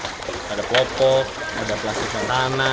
ini banyak banget sampah rumah tangga